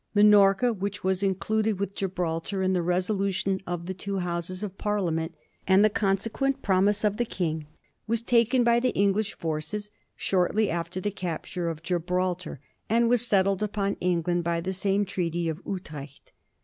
Minorca, which was included with Gibraltar in the resolution of the two Houses of Parliament and the consequent promise of the King, was taken by the English forces shortly after the capture of Gibraltar, and was settled upon England by the same Treaty of Utrecht.